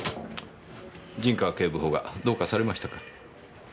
陣川警部補がどうかされましたか？